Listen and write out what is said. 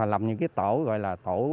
làm những tổ